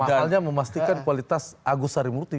makanya memastikan kualitas agus sarimurti